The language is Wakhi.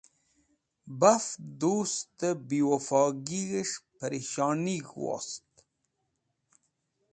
Baf dustẽ biwẽfogig̃hẽs̃h pẽrishonig̃h wost.